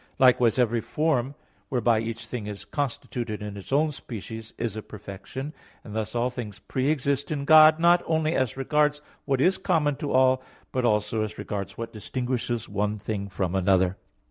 Likewise every form whereby each thing is constituted in its own species, is a perfection; and thus all things pre exist in God, not only as regards what is common to all, but also as regards what distinguishes one thing from another.